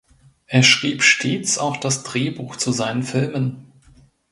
Er schrieb stets auch das Drehbuch zu seinen Filmen.